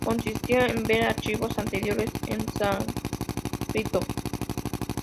Consistía en ver archivos anteriores en sánscrito.